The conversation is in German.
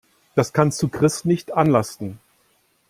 Das kannst du Chris nicht anlasten.